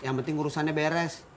yang penting urusannya beres